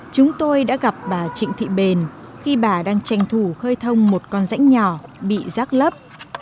chúng tôi đã gặp bà trịnh thị bền khi bà đang tranh thủ khơi thông một con rãnh nhỏ bị rác lấp